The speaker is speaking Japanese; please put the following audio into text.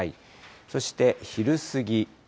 そして昼過ぎ。